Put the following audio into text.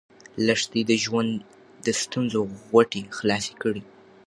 لښتې د ژوند د ستونزو غوټې خلاصې کړې.